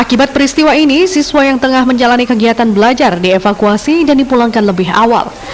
akibat peristiwa ini siswa yang tengah menjalani kegiatan belajar dievakuasi dan dipulangkan lebih awal